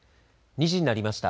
２時になりました。